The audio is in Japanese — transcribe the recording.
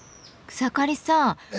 草刈さん